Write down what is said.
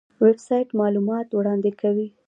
ویب سایټ معلومات وړاندې کوي